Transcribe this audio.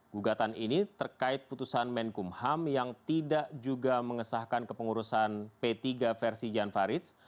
gugatan ini terkait putusan menkumham yang tidak juga mengesahkan kepengurusan p tiga versi jan faridz